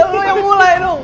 lu yang mulai